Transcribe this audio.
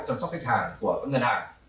chăm sóc khách hàng của các ngân hàng